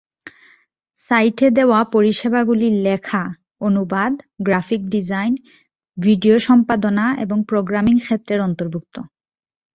সাইটে দেওয়া পরিষেবাগুলি লেখা, অনুবাদ, গ্রাফিক ডিজাইন, ভিডিও সম্পাদনা এবং প্রোগ্রামিং ক্ষেত্রের অন্তর্ভুক্ত।